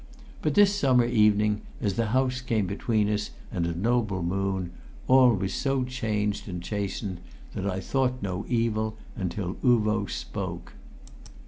But this summer evening, as the house came between us and a noble moon, all was so changed and chastened that I thought no evil until Uvo spoke.